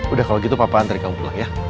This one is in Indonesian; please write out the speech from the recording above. udah kalau gitu papa antri kamu pulang ya